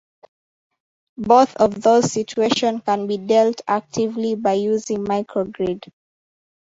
Both of those situation can be dealt actively by using microgrid.